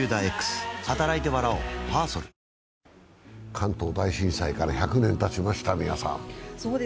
関東大震災から１００年たちました、三輪さん。